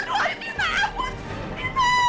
aduh tidak ampun